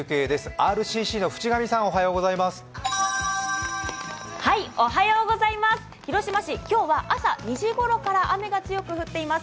ＲＣＣの渕上さん、おはようございます。